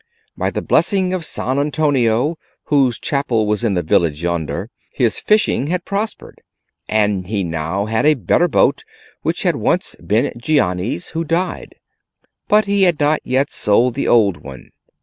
By the blessing of San Antonio, whose chapel was in the village yonder, his fishing had prospered, and he had now a better boat, which had once been Gianni's who died. But he had not yet sold the old one.